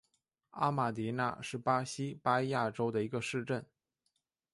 阿马迪纳是巴西巴伊亚州的一个市镇。